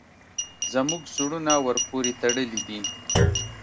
زموږ زړونه ورپورې تړلي دي.